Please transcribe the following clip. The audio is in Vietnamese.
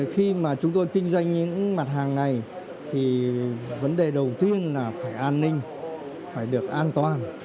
khi mà chúng tôi kinh doanh những mặt hàng này thì vấn đề đầu tiên là phải an ninh phải được an toàn